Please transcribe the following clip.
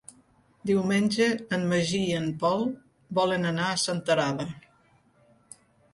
Diumenge en Magí i en Pol volen anar a Senterada.